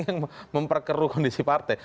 yang memperkeru kondisi partai